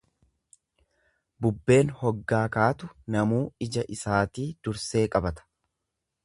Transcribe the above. Bubbeen hoggaa kaatu namuu ija isaatii dursee qabata.